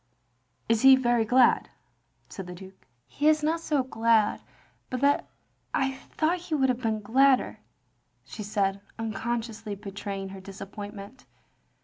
"" Is he very glad?" said the Duke. " He is not so glad but that I thought he would have been gladder," she said, tinconsciously betraying her disappointment.